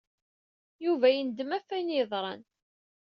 Yuba yendem ɣef wayen i yeḍran.